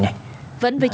mặc đẹp cực